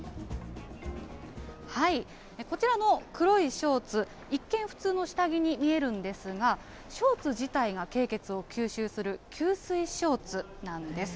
こちらの黒いショーツ、一見、普通の下着に見えるんですが、ショーツ自体が経血を吸収する吸水ショーツなんです。